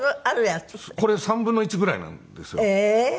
これ３分の１ぐらいなんですよ。ええー。